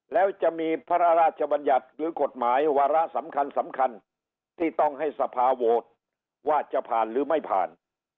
แล้วจะมีพระราชบัญญัติหรือกฎหมายวาระสำคัญสำคัญที่ต้องให้สภาโหวตว่าจะผ่านหรือไม่ผ่าน